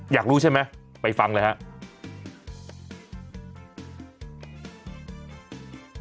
อยากรู้ใช่ไหมไปฟังเลยครับ